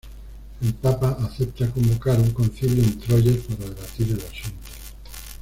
El Papa acepta convocar un concilio en Troyes para debatir el asunto.